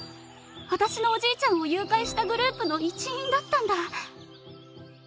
私のおじいちゃんを誘拐したグループの一員だったんだ。